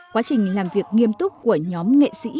quá trình làm việc nghiêm túc của nhóm nghệ sĩ